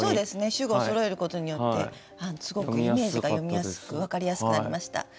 主語をそろえることによってすごくイメージが読みやすく分かりやすくなりました。